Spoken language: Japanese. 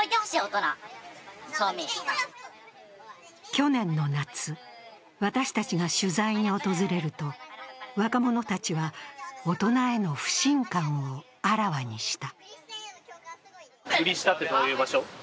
去年の夏、私たちが取材に訪れると若者たちは、大人への不信感をあらわにした。